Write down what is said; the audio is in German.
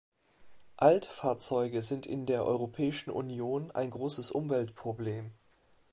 Altfahrzeuge sind in der Europäischen Union ein großes Umweltproblem.